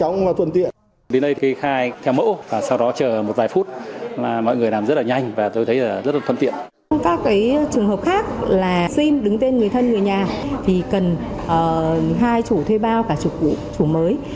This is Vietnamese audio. nếu là sim đứng tên người thân người nhà thì cần hai chủ thuê bao cả chủ cũ chủ mới